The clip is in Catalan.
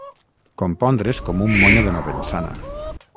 Compondre's com un monyo de novençana.